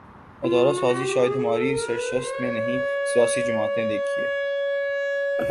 ادارہ سازی شاید ہماری سرشت میں نہیں سیاسی جماعتیں دیکھیے